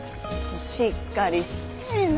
しっかりしてえな。